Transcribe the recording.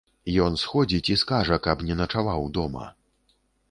Ён сходзіць і скажа, каб не начаваў дома.